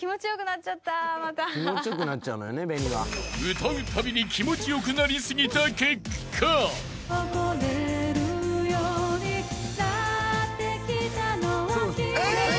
［歌うたびに気持ち良くなり過ぎた結果］え！？